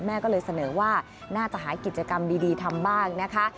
แม่ก็เลยเสนอว่าน่าจะหากิจกรรมดีทำบ้างนะคะ